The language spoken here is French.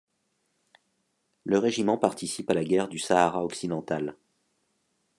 Le régiment participe à la guerre du Sahara occidental.